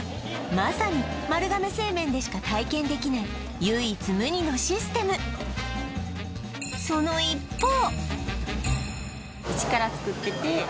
まさに丸亀製麺でしか体験できない唯一無二のシステムその一方